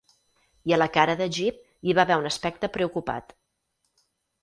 I a la cara de Jip hi va haver un aspecte preocupat.